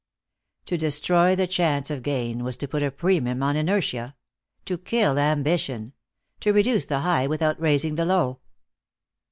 To destroy the chance of gain was to put a premium on inertia; to kill ambition; to reduce the high without raising the low.